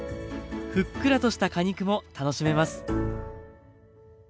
ふっくらとした果肉も楽しめます。